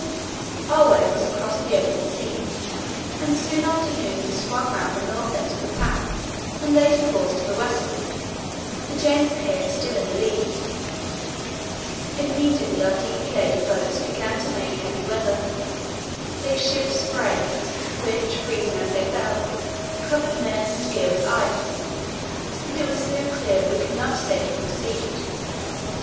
Our way was across the open sea, and soon after noon we swung round the north end of the pack and laid a course to the westward, the James Caird still in the lead. Immediately our deeply laden boats began to make heavy weather. They shipped sprays, which, freezing as they fell, covered men and gear with ice, and soon it was clear that we could not safely proceed.